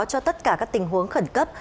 cho tất cả các tình huống khẩn cấp